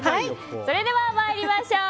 それでは参りましょう。